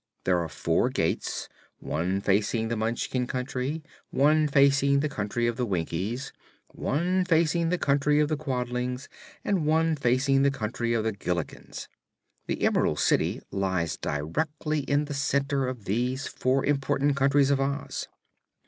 There are four gates, one facing the Munchkin Country, one facing the Country of the Winkies, one facing the Country of the Quadlings and one facing the Country of the Gillikins. The Emerald City lies directly in the center of these four important countries of Oz.